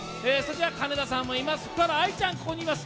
金田さんもいます、福原愛ちゃん、ここにいます。